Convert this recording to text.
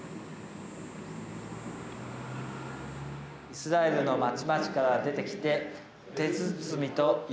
イスラエルのまちまちから出てきて。